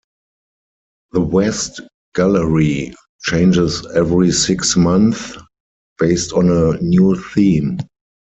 The West Gallery changes every six months based on a new theme.